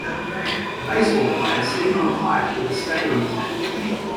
A baseball player sitting on a pipe with a stain on his knee.